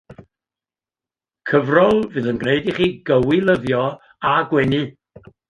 Cyfrol fydd yn gwneud i chi gywilyddio a gwenu!